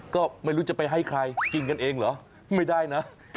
ก็ไม่รู้จะไปให้ใครกินกันเองเหรอไม่ได้นะ